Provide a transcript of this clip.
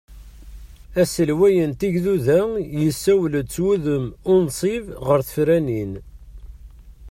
Aselway n tigduda yessawel-d s wudem unṣib ɣer tefranin.